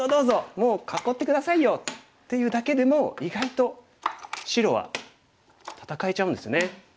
もう囲って下さいよ」っていうだけでも意外と白は戦えちゃうんですね。